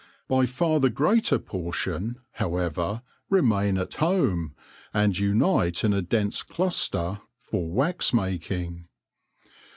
By far the greater portion, however, remain at home and unite in a dense cluster for wax making.